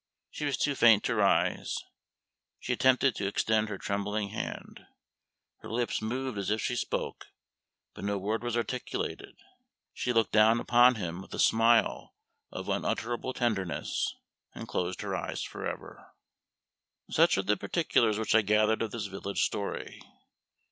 She was too faint to rise she attempted to extend her trembling hand her lips moved as if she spoke, but no word was articulated; she looked down upon him with a smile of unutterable tenderness, and closed her eyes forever. Such are the particulars which I gathered of this village story.